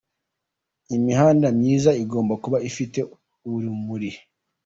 Imihanda myiza igomba kuba ifite urumuri.